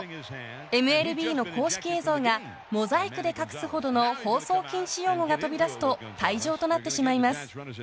ＭＬＢの公式映像がモザイクで隠すほどの放送禁止用語が飛び出すと退場となってしまいます。